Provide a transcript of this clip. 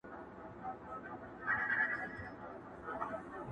عطار وځغستل ګنجي پسي روان سو٫